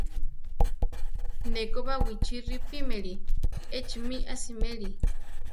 Ne ko Baʼwichí ripímeli; échi mí asiméli.